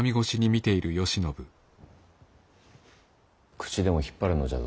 口でも引っ張るのじゃぞ。